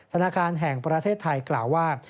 ธนาคารแห่งประเทศไทยกล่าวว่า